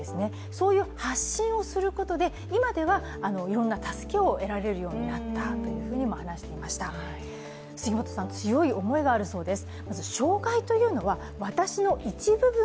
そういう発信をすることで今ではいろいろな助けを得られるようになたっとも話していました杉本さん、強い思いがあるそうです。